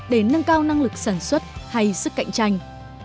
để nâng cao năng lực sản xuất hay sức cạnh tranh